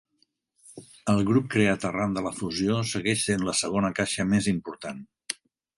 El grup creat arran de la fusió segueix sent la segona caixa més important.